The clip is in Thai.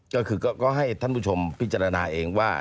ก็คือก็ให้ท่านผู้ชมพิจารณาเองว่า